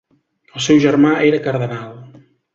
El seu germà era cardenal.